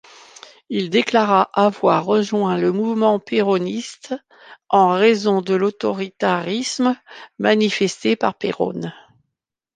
Il déclara avoir rejoint le mouvement péroniste en raison de l’autoritarisme manifesté par Perón.